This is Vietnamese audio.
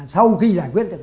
sau khi giải quyết được